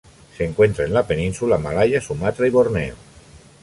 Se encuentra en la península malaya, Sumatra y Borneo.